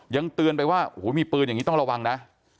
ยังเตือนไปว่าโอ้โหมีปืนอย่างนี้ต้องระวังนะ